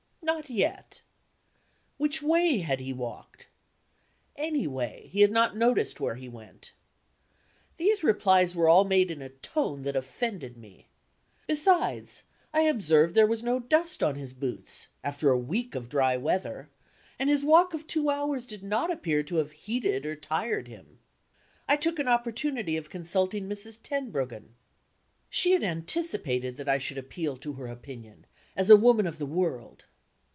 Not yet. Which way had he walked? Anyway: he had not noticed where he went. These replies were all made in a tone that offended me. Besides, I observed there was no dust on his boots (after a week of dry weather), and his walk of two hours did not appear to have heated or tired him. I took an opportunity of consulting Mrs. Tenbruggen. She had anticipated that I should appeal to her opinion, as a woman of the world.